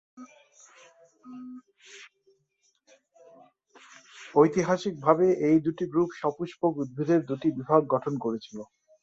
ঐতিহাসিকভাবে, এই দুটি গ্রুপ সপুষ্পক উদ্ভিদের দুটি বিভাগ গঠন করেছিল।